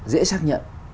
dễ xác nhận